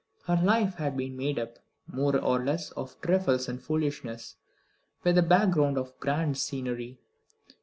Her life had been made up, more or less, of trifles and foolishness, with a background of grand scenery.